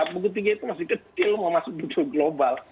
buku tiga itu masih kecil mau masuk buku global